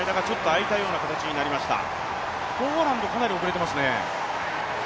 ポーランド、かなり遅れてますね。